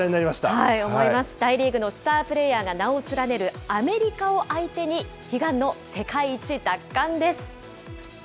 思います、大リーグのスタープレーヤーが名を連ねるアメリカを相手に、悲願の世界一奪還です。